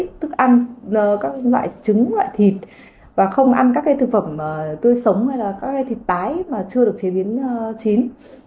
thức ăn các loại trứng loại thịt và không ăn các thực phẩm tươi sống hay là các thịt tái mà chưa được chế biến chín